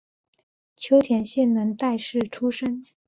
秋田县能代市出身。